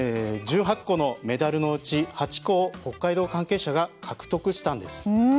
１８個のメダルのうち８個を北海道関係者が獲得したんです。